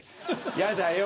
やだよ！